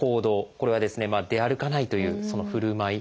これは「出歩かない」というそのふるまい。